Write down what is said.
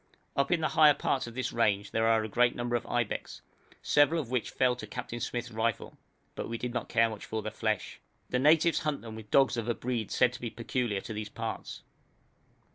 Up in the higher parts of this range there are a great number of ibex, several of which fell to Captain Smyth's rifle, but we did not care much for the flesh. The natives hunt them with dogs of a breed said to be peculiar to these parts.